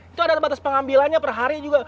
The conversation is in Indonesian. itu ada batas pengambilannya per hari juga